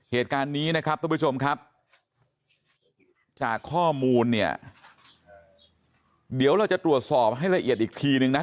เหตุการณ์นี้นะครับทุกผู้ชมครับจากข้อมูลเนี่ยเดี๋ยวเราจะตรวจสอบให้ละเอียดอีกทีนึงนะ